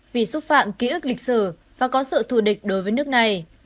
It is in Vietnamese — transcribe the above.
vì xúc phạm ký ức lịch sử và có sự thù địch đối với nước này